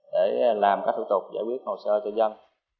để làm các thủ tục giải quyết hồ sơ cho dân